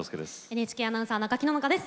ＮＨＫアナウンサーの赤木野々花です。